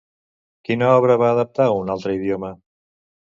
Quina obra va adaptar a un altre idioma?